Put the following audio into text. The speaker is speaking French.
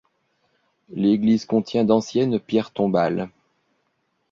L'église contient d'anciennes pierres tombales.